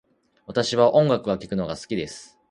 私は音楽を聴くのが好き